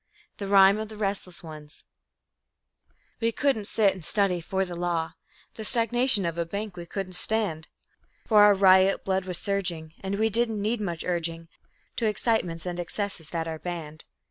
The Rhyme of the Restless Ones We couldn't sit and study for the law; The stagnation of a bank we couldn't stand; For our riot blood was surging, and we didn't need much urging To excitements and excesses that are banned.